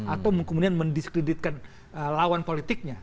atau kemudian mendiskreditkan lawan politiknya